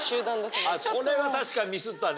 それは確かにミスったね。